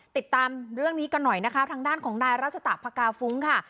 ติดตามเรื่องนี้กันหน่อยนะคะทางด้านของนายรัชตะพกาฟุ้งค่ะ